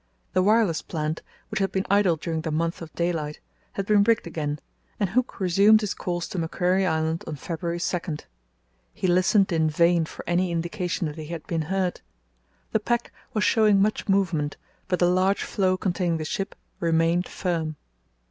The wireless plant, which had been idle during the months of daylight, had been rigged again, and Hooke resumed his calls to Macquarie Island on February 2. He listened in vain for any indication that he had been heard. The pack was showing much movement, but the large floe containing the ship remained firm.